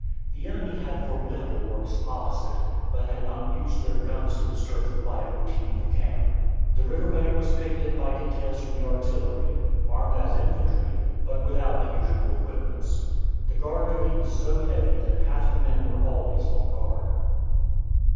The enemy had formidable works opposite, but had not used their guns to disturb the quiet routine of the camp. The river bank was picketed by details from the artillery, armed as infantry, but without the usual equipments. The guard duty was so heavy that half the men were always on guard.